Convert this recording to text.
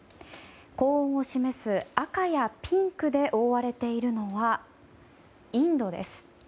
高温を示す赤やピンクで覆われているのは、インドです。